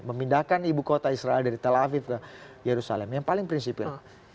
memindahkan ibu kota israel dari tel aviv ke yerusalem yang paling prinsipil